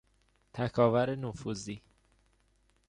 تکاور نفوذی